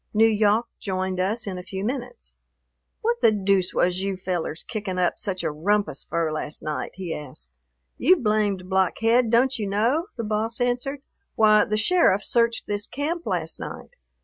N'Yawk joined us in a few minutes. "What the deuce was you fellers kicking up such a rumpus fer last night?" he asked. "You blamed blockhead, don't you know?" the boss answered. "Why, the sheriff searched this camp last night.